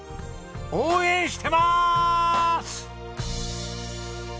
応援してまーす！